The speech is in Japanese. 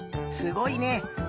すごいね。